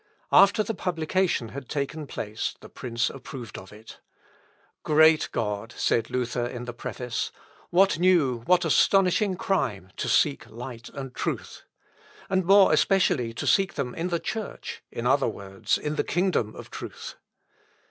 After the publication had taken place the prince approved of it; "Great God!" said Luther in the preface, "what new, what astonishing crime, to seek light and truth! And more especially to seek them in the Church, in other words, in the kingdom of truth."